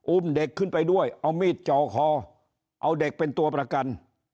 อุ้มเด็กขึ้นไปด้วยเอามีดจ่อคอเอาเด็กเป็นตัวประกัน